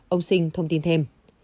ông sinh thông tin thêm